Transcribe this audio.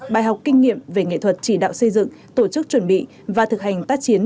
bài học kinh nghiệm về nghệ thuật chỉ đạo xây dựng tổ chức chuẩn bị và thực hành tác chiến